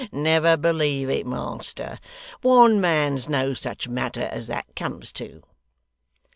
Never believe it, master. One man's no such matter as that comes to.